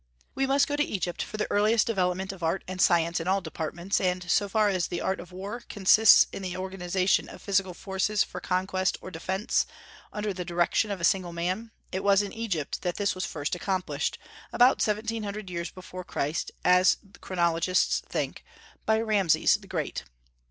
We must go to Egypt for the earliest development of art and science in all departments; and so far as the art of war consists in the organization of physical forces for conquest or defence, under the direction of a single man, it was in Egypt that this was first accomplished, about seventeen hundred years before Christ, as chronologists think, by Rameses the Great.